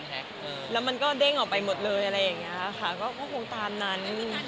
แล้วมันก็เด้งออกไปหมดเลยอะไรอย่างนี้ค่ะก็คงตามนั้น